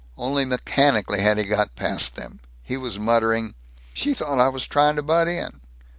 Only mechanically had he got past them. He was muttering: "She thought I was trying to butt in!